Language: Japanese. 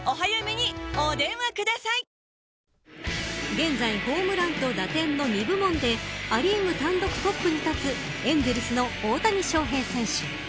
現在ホームランと打点の２部門でア・リーグ単独トップに立つエンゼルスの大谷翔平選手。